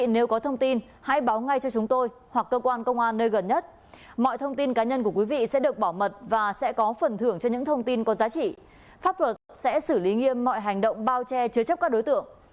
nếu có thông tin hãy báo ngay cho chúng tôi hoặc cơ quan công an nơi gần nhất mọi thông tin cá nhân của quý vị sẽ được bảo mật và sẽ có phần thưởng cho những thông tin có giá trị pháp luật sẽ xử lý nghiêm mọi hành động bao che chứa chấp các đối tượng